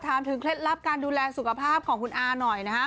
ถามถึงเคล็ดลับการดูแลสุขภาพของคุณอาหน่อยนะฮะ